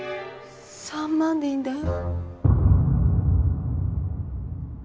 ３万でいいんだよ？